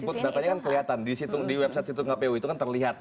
input datanya kan kelihatan di website situng kpu itu kan terlihat